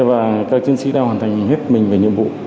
và các chiến sĩ đang hoàn thành hết mình về nhiệm vụ